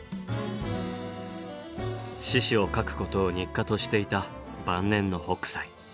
獅子を描くことを日課としていた晩年の北斎。